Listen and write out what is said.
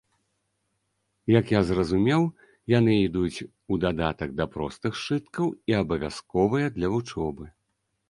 Як я зразумеў, яны ідуць у дадатак да простых сшыткаў і абавязковыя для вучобы.